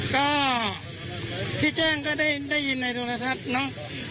ก็ที่แจ้งก็ได้ยินในสถาทนั้น